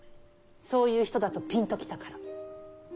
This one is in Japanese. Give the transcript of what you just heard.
そういう人だとピンと来たから。